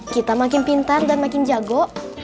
kita makin pintar dan makin jago